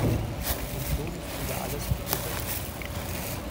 Und schon ist wieder alles picobello!